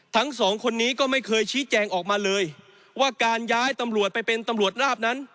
ทั้งสองคนนี้ก็ไม่เคยชี้แจงออกมาเลยว่าการย้ายตำรวจไปเป็นตำรวจราบนั้น